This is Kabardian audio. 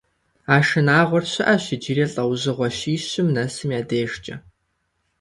А шынагъуэр щыӀэщ иджыри лӀэужьыгъуэ щищым нэсым я дежкӀэ.